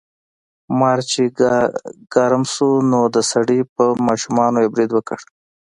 مار چې ګرم شو نو د سړي په ماشومانو یې برید وکړ.